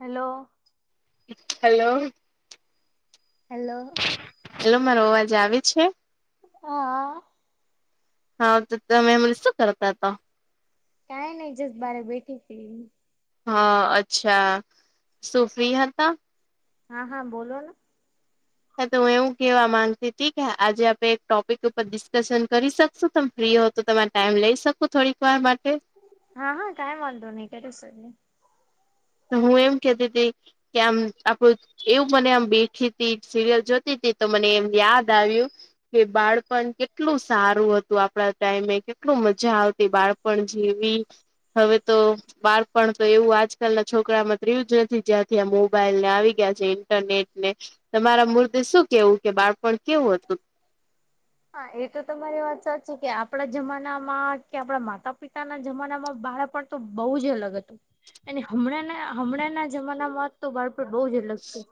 Hello. Hello. Hello. Hello મારો અવાજ આવે છે. હા. હા તો તમે હમણાં‌ શું કરતા હતા. કઈ નહિ જસ બાર બેઠી‌ હતી. હા અચ્છા સુ ફ્રી હતા? હા હા બોલો ને હા તો હું એવું કેવા માંગતી હતી કે આજે આપણે એક ટોપિક ઉપર ડિસ્કશન કરી શકશું તમે ફ્રી હોવ તો તો તમારો ટાઈમ લઈ શકૂ થોડીક વાર માટે હા હા કાઈ વાંધો નહીં કરી શકીએ. હું એમ કેતી હતી કે આમ આપડું એવું મને આમ બેઠી હતી સિરિયલ જોતી તી તો મને એમ યાદ આવ્યું કે બાળપણ કેટલું સારું હતું આપડા ટાઈમે કેટલુ મજા આવતી બાળપણ પણ જેવી હવે તો બાળપણ તો એવું આજ આજકાલ ના છોકરામાં એવું નથી જ્યાંથી આ મોબાાઈલ ને આવી ગયા છે ઇન્ટરનેટ ને તમારા મતે શું કેવું કે બાળપણ કેવું હતું? હા એ તો તમારી વાત સાચી છે કે આપણા જમાનામાં કે આપણા માતા પિતાના જમાનામાં બાળપણ તો બહુ જ અલગ હતું ને હમણાંના હમણાના જમાનામાં તો બાળપણ બહુ જ અલગ છે.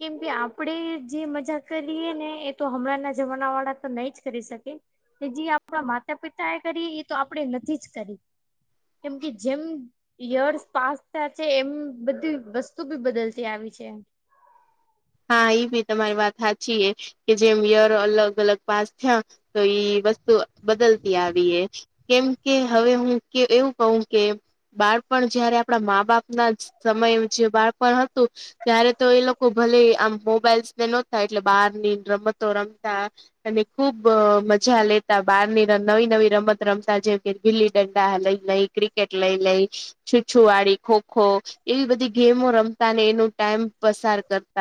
કેમ કે આપડે જે મજા કરીએ ને એ તો હમણાં ના જમાના વાળા તો નહી જ કરી શકે કે જે આપણા માતા પિતા એ કરી એ તો આપણે નથી જ કરી. કેમ કે જેમ યર્સ પાસ થયા છે એમ બધી વસ્તુ બી બદલતી આવી છે. હા એ ભી તમારી વાત સાચી છે કે જેમ યર અલગ અલગ પાસ થયા તો ઈ વસ્તુ બદલતી આવી છે. કેમ કે હવે હું એવું કહું કે બાળપણ જયારે આપણા મા બાપ ના સમય જે બાળપણ હતું ત્યારે તો એ લોકો ભલે આમ મોબાઈલ્સને નતાાય એટલે બહાર ની રમતો રમતા અને ખુબ મ જા લેતા બારની નવી નવી રમત રમતા જેમ કે ગીલી દંડા, લઈ લઈ ક્રિકેટ લઈ લઈ છુછુવાડી, ખોખો એવી બધી ગેમો રમતા ને એનું ટાઈમ પસાર કરતા.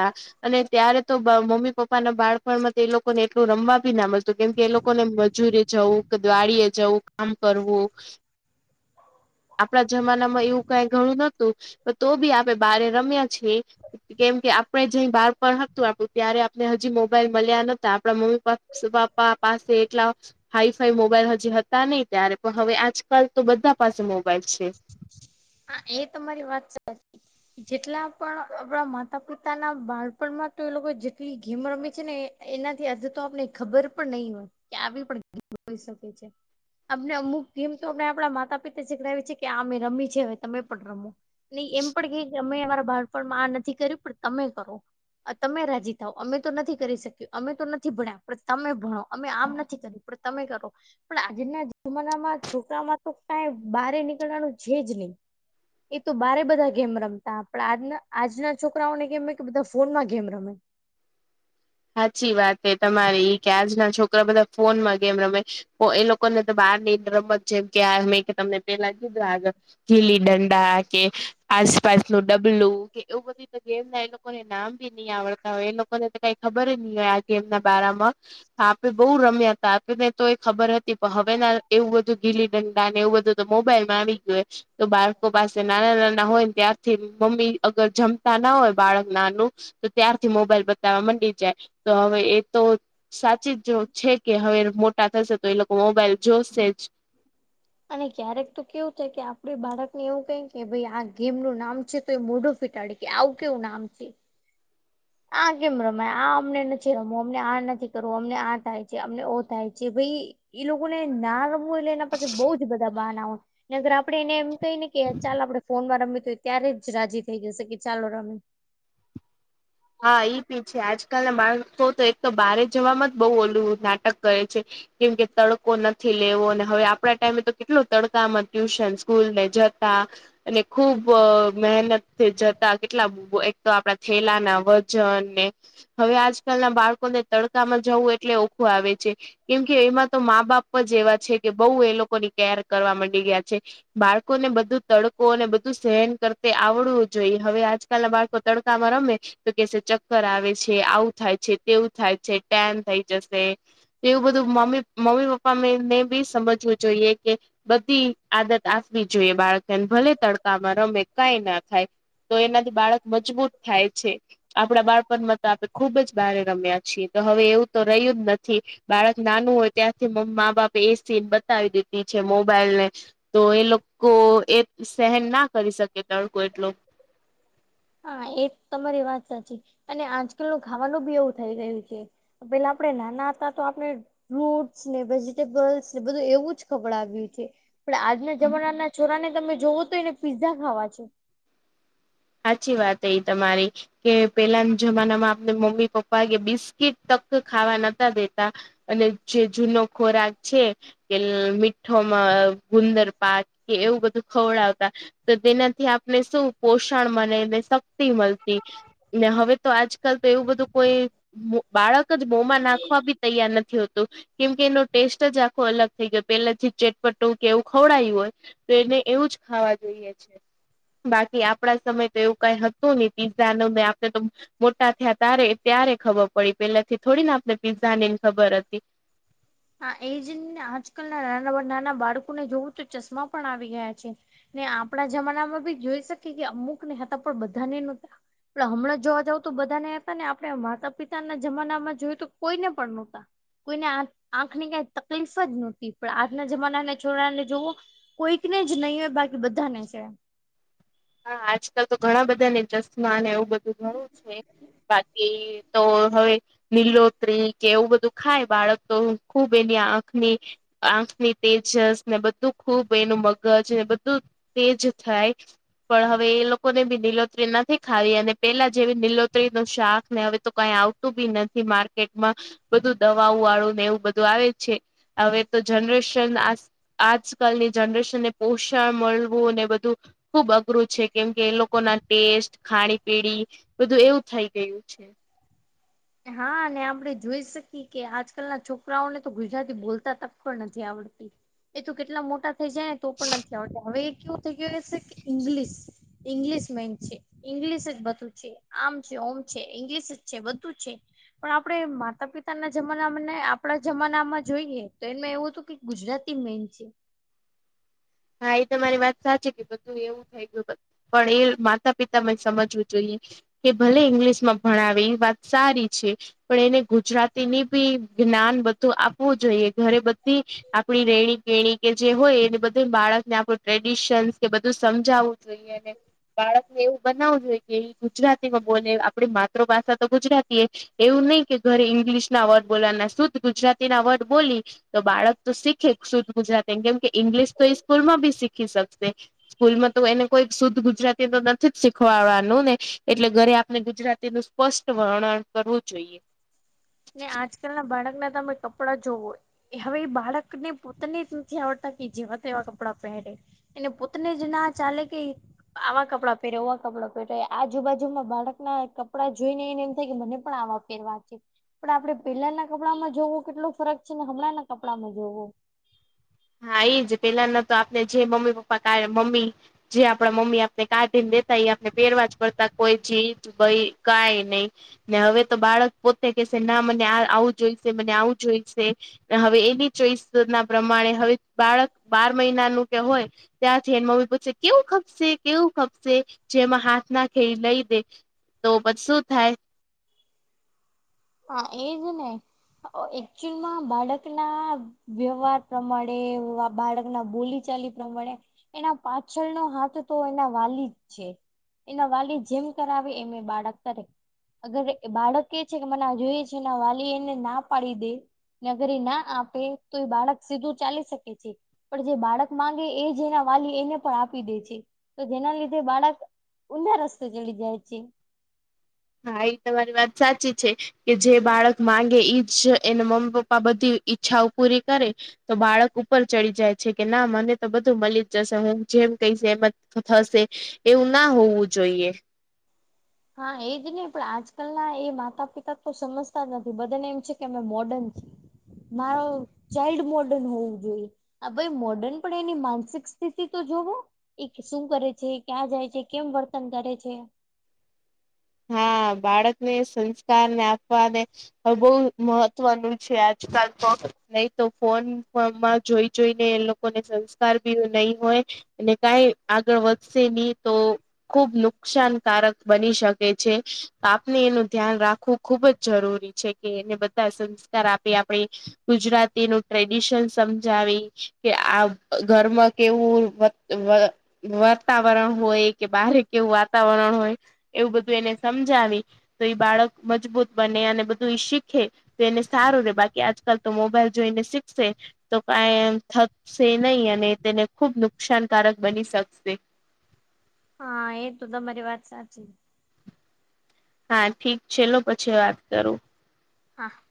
અને ત્યારે તો મમ્મી પપ્પા ના બાળપણમાં તો એ લોકો ને એટલું રમવા બી ના મળતું. તો કેમ કે એ લોકોને મજૂરી જવું કે વાળીએ જવું કામ કરવું આપણા જમાનામાં એવું કઈ ઘણું નતું પણ તો બી આપણે બારે રમ્યા છે. કેમ કે આપડે જે બાળપણ હતું આપડું ત્યારે આપને હજી મોબાઈલ મળ્યા નહોતા આપણા મમ્મી પપા પપ્પા પાસે એટલા હાઈફાઈ મોબાઈલ હજી હતા નહી ત્યારે પણ હવે આજકાલ તો બધા પાસે મોબાઈલ છે. હા એ તો તમારી વાત સાચી. જેટલા પણ આપણા માતા પિતાના બાળપણમાં તો એ લોકો જેટલી ગેમ રમી છે ને એ એનાથી આજ તો આપને ખબર પણ નહી હોય કે આવી પણ ગેમ હોય શકે છે. અમને અમુક થીમ તો અને આપણા માતા પિતા જખણાવી છે કે આ મેમે રમી છે. તમે પણ રમો અને એમ પણ કે કે અમે અમારા બાળપણમાં આ નથી કર્યું પણ તમે કરો. તમે રાજી થાવ અમે તો નથી કરી શક્યું અમે તો નથી ભણ્યા પણ તમે ભણો અમે આમ નથી કરી તમે કરો. પણ આજના જમાનામાં છોકરામાં તો કઈ બહાર નીકળવાનું છે જ નહીં. એ તો બારે બધા ગેમ રમતા પણ આજના છોકરાઓને કેમ કે બધા ફોનમાં ગેમ રમે. સાચી વાત છે તમારી કે આજના છોકરા બધા ફોનમાં ગેમ રમે તો એ લોકો ને તો બહાર ની રમત છેમ કે આ મેં કે તમને પેલા કીધા આગ ગીલી દંડા કે આસપાસ નું ડબલું કે એવું બધું ગેમ ના એ લોકોને નામ નહી આવડતા હોય એ લોકોને કઈ ખબર જ નહી હોય આ ગેમના બારામાં. હા આપ‌ળે બઉુ રમ્યા હતા આપેને તો એ ખબર હતી પણ હવે ના એવું બધું ગીલી દંડા ને એવું બધું મોબાઈલ માં આવી ગય હો તો બાળકો પાસે નાના નાના હોય ને ત્યારથી મમ્મી અગર જમ ના હોય બાળક નાનું તો ત્યારથી મોબાઈલ બતાવવા માંડી તો હવે એ તો સાચી જ છે કે હવે મોટા થશે તો એ લોકો મોબાઈલ જોશે જ. અને ક્યારેક તો કેવું થાય કે આપડે બાળકને એવું કહીએ કે ભાઈ આ ગેમ નું નામ છે તો એ મોઢું ફિટાડી કે આ કેવું નામ છે. આ કેમ રમાય આ અમને નથી રમવું અમને આ નથી કરવું અમને આ થાય છે અમને ઓ થાય છે ભાઈ એ લોકો ને ના ર એટલે એના પાસે બહઉ જ બધા બહના હોય ને અગર આપડણે એને એમ કહી ને કે ચાલ આપણે ફોનમાં રમી ત્યારે જ રાજી થઈ જશે કે ચાલો રમે. હા, ઈ બી છે, આજકાલ ના બાળકો તો એક તો, બારે જવામાં જ બહુ ઓલું નાટક કરે છે. કેમ કે તડકો નથી લેવો, અને હવે આપણા ટાઈમે તો કેટલો તડકામાં, ટ્યુશન, સ્કૂલ ને જતા. અને ખુબ મહેનત જતા, કેટલા એક તો આપડા છેલા ના વજન ને હવે આજકાલ ના બાળકો ને તડકામાં જવું એટલે ઓખું આવે છે. કેમ કે એમાં તો મા બાપ જ એવા છે કે બઉ એ લોકોની કેર કરવા માંડી ગયા છે. બાળકોને બધું તડકો અને બધું સહન કરતી આવડવું જોઈએ હવે આજ લા બાળકો તડકામાં રમે તો કે ચક્કર આવે છે, આવું થાય છે તેવું થાય છે ટેન થઈ જશે. એવું બધું, મમ્મી, મમ્મી, પપ્પાને બી સમજવું જોઈએ કે બધી આદત આપવી જોઈએ બાળકને, ભલે તડકામાં રમે, કંઈ ના થાય. તો એનાથી બાળક મજબૂત થાય છે. આપણા બાળપણમાં તો આપણે ખુબ જ બારે રમ્યા છીએ, તો હવે એવું તો રહ્યું જ નથી. બાળક નાનું હોય ત્યાંથી મા-બાપે એ સીન બતાવી દીધી છે, મોબાઈલ ને તો એ લોકો એ સહેન ના કરી શકે તડકો એટલો. હા, એ તમારી વાત સાચી. અને આજકાલ નું ખાવાનું બી એવું થઈ ગયું છે. પેલા આપણે નાના હતા, તો આપણે ફ્રૂટસ ને વેજી. બધું એવું જ ખબર આવ્યું છે, પણ આજના જમાનાના છોરાને તમે જોવો તોય ને. પિઝા ખાવા છે. સાચી વાત એ તમારી. કે પેલાના જમાનામાં આપણે મમ્મી પપ્પા કે બિસ્કીટ તક ખાવા નતા દેતા. અને જે જૂનો ખોરાક છે. કે મીઠોમાં ગુંદર પાક કે એવું બધું ખવડાવતા. તો તેનાથી આપણે શું પોષણ પોષણ મળે મને ને શક્તિ મળતી, ને હવે તો આજકાલ તો એવું બધું કોઈ બાળક જ મોં માં નાખવા બી તૈયાર નથી થતું. કેમ કે એનો ટેસ્ટ જ આખો અલગ થઈ ગયો, પેલાથી ચેટપટ્ટું કે એવું ખવડાયું હોય. તેને એવું જ ખાવા જોઈએ છે, બાકી આપ મે તો એવું કઈ હતું ને, પીઝા ને આપણે તો. મોટા થયા તારે ત્યારે ખબર પડી, પેલાથી થોડી ને આપને પીઝા ને ખબર હતી. હા, એ જ ને. આજકાલના નાના નાના બાળકોને જોવું તો ચશ્મા પણ આવી ગયા છે. ને આપણા જમાના માં બી જોઈ શકી કે, અમુક ને હતા, પણ બધા ને હતા. પણ હમણાં જોવા જઉ તો બધા ને હતા, ને આપણે માતા પિતાના જમાનામાં જોયું તો કોઈને પણ નહતા. કોઈને આંખની કંઈ તકલીફ જ નહોતી, પણ આજના જમાનાને છોરાને જોવો. કોઈકને જ નહીં હોય બાકી બધાને છે. હા, આજકાલ તો ઘણા બધા ને જસ્ટમાં એવું બધું ઘણું છે, બાકી. તો હવે. નીલોત્રી કે એવું બધું ખાય બાળક, તો ખુબ એની આંખની આખ. ની તેજસ ને બધું ખૂબ, એનું મગજ બધું તેજ થાય. પણ હવે એ લોકોને બી નીલોતરી નથી ખાવી, અને પેલા જેવી નીલોતરી ને શાક ને હવે તો કઈ આવતું બી નથી માર્કેટમાં, બધું દવાવાળું ને એવું બધું આવે છે. હવે તો જનરેશન આ આજકાલની જનરેશન ને પોષણ મળવું ને બધું ખુબ અઘ કરું છે, કેમ કે એ લોકો ના ટેસ્ટ, ખાણી-પીણી બધું એવું થઈ ગયું છે. હા, અને આપણે જોઈ શકીએ કે આજકાલના છોકરાઓને તો ગુજરાતી બોલતા તક પણ નથી આવડતી. એ તો કેટલા મોટા થઇ જાય ને, તો પણ નથી આવતા. હવે એ કેવું થઈ ગયું હશે કે ઇંગ્લિશ ઇંગ્લિશ મેન છે, ઇંગ્લિશ જ બધું છે, આમ છે, ઓમ છે, ઇંગ્લિશ જ છે. શુ છે? પણ આપણે માતા પિતાના જમાનામાંને આપણા જમાનામાં જોઈએ તો, એમાં એવું હતું કે ગુજરાતી મેન છે. હા, એ તો મારી વાત સાચી કે, બધું એવું. [unintelligible] પણ એ માતા પિતામાં જ સમજવું જોઈએ. કે ભલે ઇંગ્લિશમાં ભણાવે ઈ વાત સારી છે. પણ એને ગુજરાતી નું બી જ્ઞાન બધું આપવું જોઈએ, ઘરે બધી. આપણી રેણી કેણી કે જે હોય એને બધું બાળકને આપણું ટ્રેડિશન કે બધું સમજાવવું જોઈએ, અને બાળકને એવું બનાવવું જોઈએ. એ ગુજરાતીમાં બોલે આપડી માતૃભાષા તો ગુજરાતી એ એવું નહી કે ઘરે ઇંગ્લિશ ના વર્ડ બોલવાના શુદ્ધ ગુજરાતી ના વર્ડ બોલી તો બાળક તો શીખે શુદ્ધ ગુજરાતીને કેમ કે ઇંગ્લિશ તો સ્કૂલ માં બી શીખી શકશે. સ્કૂલમાં તો એને કોઈ શુદ્ધ ગુજરાતી તો નથી જ શીખવાડવાનું ને એટલે ઘરે આપને ગુજરાતી નું સ્પષ્ટ વર્ણન કરવું જોઈએ. ને આજકાલ ના બાળક ના તમે કપડાં જોવો હોય એ હવે એ બાળકને પોતાને જ નથી આવડતા કે જેવા તેવા કપડાં પહેરે એને પોતને જ ના ચાલે કેઈ આવા કપડાં પહેર એવા કપડાં પહેરે આજુબાજુમાં બાળકના કપડાં જોઈ ને એને એમ થાય કે મને પણ આવા રવા છે પણ આપડે પેલાના કપડામાં જોવો કેટલો ફરક છે ને હમણાં ના કપડામાં જોવો હા એ જ પેલાના તો આપણે જે મમ્મી પપ્પા કાડે મમ્મી જે આપડા મમ્મી આપને કાઢી ને દેતા આપને પેરવા જ પડતા કોઈ જીન્સ ભઈ કાય નહી. ને હવે તો બાળક પોતે કહેશે ના મને આ-આવું જોઈશે મને આવું જોઈશે. હવે એની ચોઈસ ના પ્રમાણે હવે બાળક બાર મહિનાનું કે હોય ત્યાંથી એને મમ્મી પૂછસે કેવું ખપશે કેવું ખપશે જેમાં હાથ નાખે લઈ દે તો પછ શું થાય. હા એજ ને એકચુઅલમાં બાળકના વ્યવહાર પ્રમાણે બાળકના બોલી-ચાલી મળે એના પાછળનો હાથ તો એના વાલી જ છે. એના વાલી જેમ કરાવે એમ એ બાળક કરે અગર બાળક એ છે મને જોઈએ છે એના વાલી એને ના પાડી દે નગરી ના આપે તો એ બાળક સીધું ચાલી શકે છે. પણ જે બાળક માંગે એજ એના વાલી એને પણ આપી દે છે તો જેના લીધે બાળક ઊંધા રસ્તા ચડી જાય છે. હા એ તમારી વાત સાચી છે કે જે બાળક માંગે ઈજ એને મમ્મી પપ્પા બધી ઈચ્છાઓ પૂરી કરે તો બાળક ઉપર ચડી જાય છે કે ના મને તો બધું મલી જ જશે હું જેમ કહીશ એમ જ થશે એવું ના હોવું જોઈએ. હા એજ ને પણ આજકાલના એ માતા પિતા તો સમજતા જ નથી બધાને એમ છે કે અમે મોર્ડન છીએ. મારો ચાઇલ્ડ મોર્ડન હોવું જોઈએ. આ ભાઈ મોર્ડર્ન પણ એની માનસિક સ્થિતિ તો જોવો એ શું કરે છે ક્યાં જાય છે કેમ વર્તન કરે છે. હા બાળક ને સંસ્કાર ને આપવાને હવે બહુ મહત્વનું છે આજકાલ તો નહી તો ફોનમાં જોઈ જોઈને એ લોકોને સંસ્કાર બી નહી હોય અને કાઈ આગળ વધશે નહી તો ખુબ નુકસાનકારક બની શક છે આપને એનું ધ્યાન રાખવું ખુબ જ જરૂરી છે કે એને બધા. આપી આપણે ગુજરાતી નું ટ્રેડિશન સમજાવી કે આ. ઘરમાં કેવું. વાતાવરણ હોય કે બારે કેવું વાતાવરણ હોય એવું બધું. એને સમજાવી તો એ બાળક મજબૂત બને અને બધું એ શીખે. તો એને સારું રે બાકી આજકાલ તો મોબાઈલ જોઈને શીખશે તો કઈ એ થકશે નહી અને તેને ખુબ નુકસાનકારક બની શકશે. હા એ તોું તમારી વાત સાચી. હા ઠીક છેલો પછી વાત કરું હા.